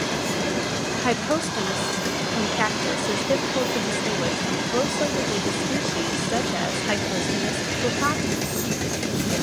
"Hypostomus punctatus" is difficult to distinguish from closely related species, such as "Hypostomus plecostomus".